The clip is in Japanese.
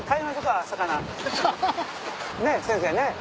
ねぇ先生ねぇ。